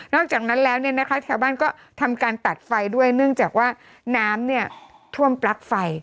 อกจากนั้นแล้วเนี่ยนะคะชาวบ้านก็ทำการตัดไฟด้วยเนื่องจากว่าน้ำท่วมปลั๊กไฟ